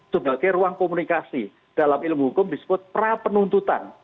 sebagai ruang komunikasi dalam ilmu hukum disebut prapenuntutan